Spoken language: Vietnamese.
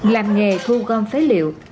làm nghề thu gom phế liệu